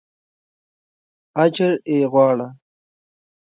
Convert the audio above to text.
اجر یې غواړه.